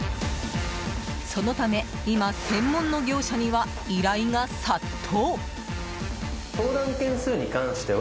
そのため今、専門の業者には依頼が殺到。